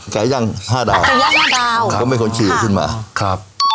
ใกล้ยั่ง๕ดาวเขาเป็นคนขี่ใหญ่ขึ้นมา